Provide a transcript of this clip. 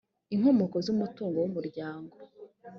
inkomoko z umutungo w umuryango